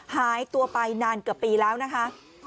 หายตัวไปนานเกือบปีแล้วนะคะ